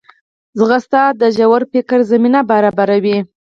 منډه د ژور فکر زمینه برابروي